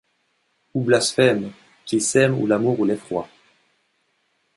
Ou blasphème, qu’il sème ou l’amour ou l’effroi